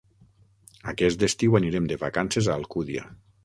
Aquest estiu anirem de vacances a Alcúdia.